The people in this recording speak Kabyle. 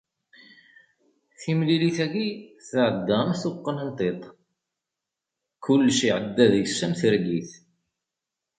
Timlilit-agi tɛedda am tuqqna n tiṭ, kullec iɛedda deg-s am tergit.